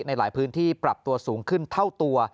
ในหลายพื้นที่ปรับตัวสูงขึ้นเท่าตัว